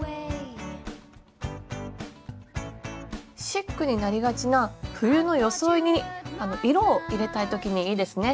シックになりがちな冬の装いに色を入れたい時にいいですね。